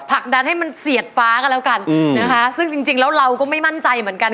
ผลักดันให้มันเสียดฟ้ากันแล้วกันนะคะซึ่งจริงจริงแล้วเราก็ไม่มั่นใจเหมือนกัน